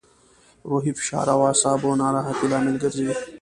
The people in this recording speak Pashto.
روحي فشار او اعصابو ناراحتي لامل ګرځي.